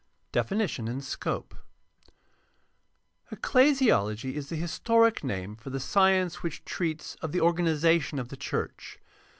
DEFINITION AND SCOPE Ecclesiology is the historic name for the science which treats of the organization of the church.